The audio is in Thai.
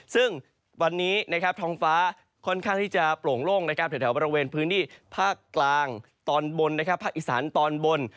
ซึ่งวันนี้ท้องฟ้าค่อนข้างที่จะโปร่งโล่งแถวบริเวณพื้นที่ภาคกลางตอนบนภาคอีสานตอนบน